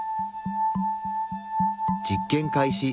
実験開始。